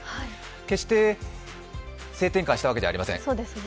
決して性転換したわけじゃあありません。